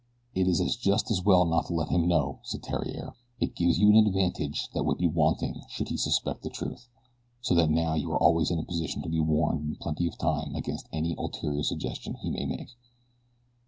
"It is just as well not to let him know," said Theriere. "It gives you an advantage that would be wanting should he suspect the truth, so that now you are always in a position to be warned in plenty of time against any ulterior suggestion he may make.